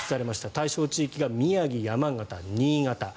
対象地域が宮城、山形、新潟。